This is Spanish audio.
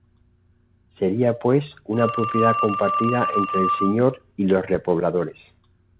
Sería pues, una propiedad compartida entre el señor y los repobladores.